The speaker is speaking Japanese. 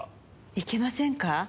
いけませんか？